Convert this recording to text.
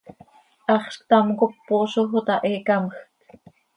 ¡Haxz ctam cop poozoj oo ta, he camjc!